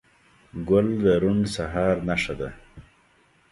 ګل د روڼ سهار نښه ده.